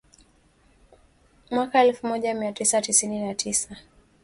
mwaka elfu moja mia tisa tisini na tisa